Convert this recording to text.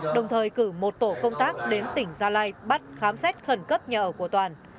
đồng thời cử một tổ công tác đến tỉnh gia lai bắt khám xét khẩn cấp nhà ở của toàn